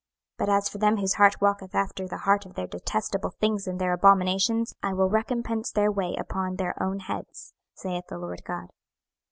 26:011:021 But as for them whose heart walketh after the heart of their detestable things and their abominations, I will recompense their way upon their own heads, saith the Lord GOD.